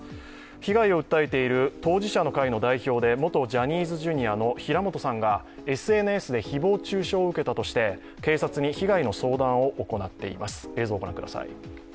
被害を訴えている、当事者の会の代表で元ジャニーズＪｒ．の平本さんがＳＮＳで誹謗中傷を受けたとして警察に被害の相談を行っています。